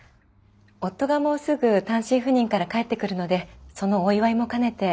夫がもうすぐ単身赴任から帰ってくるのでそのお祝いも兼ねて。